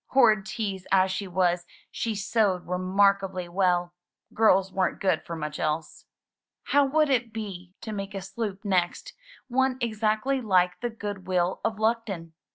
Horrid tease as she was, she sewed remarkably well. Girls weren't good for much else. How would it be to make a sloop next — one exactly like the "Goodwill of Luckton"?